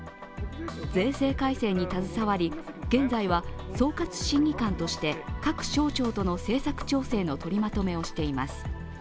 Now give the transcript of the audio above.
税制改正に携わり、現在は総括審議官として各省庁との政策調整の取りまとめをしています。